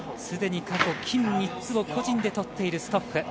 すでに過去、金３つを個人で取っているストッフ。